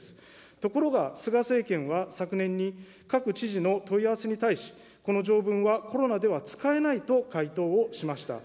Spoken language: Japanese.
ところが菅政権は昨年に、各知事の問い合わせに対し、この条文はコロナでは使えないと回答をしました。